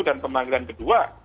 dan pemanggilan kedua